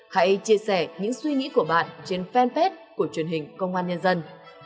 hãy chia sẻ những suy nghĩ của bạn trên fanpage của truyền hình công an nhân dân